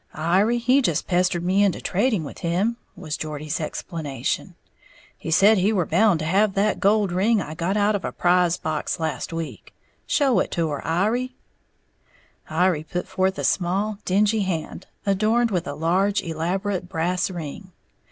"Iry he just pestered me into trading with him," was Geordie's explanation, "he said he were bound to have that gold ring I got out of a prize box last week. Show it to her, Iry." Iry put forth a small, dingy hand, adorned with a large, elaborate brass ring.